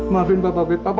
maafin pab maafin papa